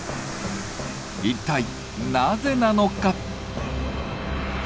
一体なぜなのか？